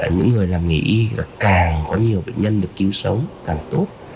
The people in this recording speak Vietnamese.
những người làm nghề y là càng có nhiều bệnh nhân được cứu sống càng tốt